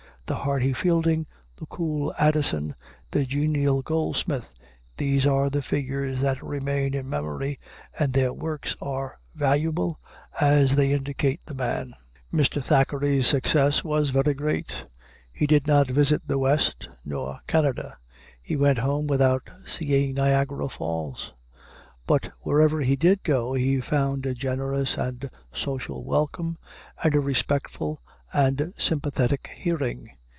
The hearty Fielding, the cool Addison, the genial Goldsmith, these are the figures that remain in memory, and their works are valuable as they indicate the man. Mr. Thackeray's success was very great. He did not visit the West, nor Canada. He went home without seeing Niagara Falls. But wherever he did go he found a generous and social welcome, and a respectful and sympathetic hearing.